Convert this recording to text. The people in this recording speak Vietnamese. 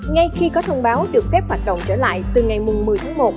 ngay khi có thông báo được phép hoạt động trở lại từ ngày một mươi tháng một